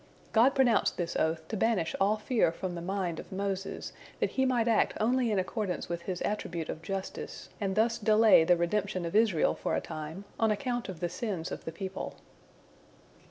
God pronounced this oath, to banish all fear from the mind of Moses, that He might act only in accordance with His attribute of justice, and thus delay the redemption of Israel for a time, on account of the sins of the people.